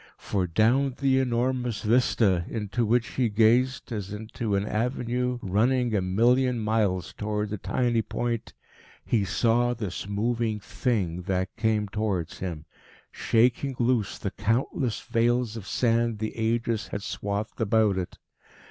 For down the enormous vista into which he gazed, as into an avenue running a million miles towards a tiny point, he saw this moving Thing that came towards him, shaking loose the countless veils of sand the ages had swathed about it.